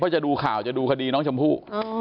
จะดูข่าวจะดูคดีน้องชมพู่